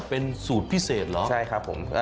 เป็นสูตรพิเศษเหรอใช่ครับผม